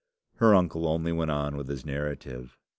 Her uncle only went on with his narrative.